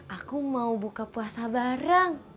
aku mau buka puasa bareng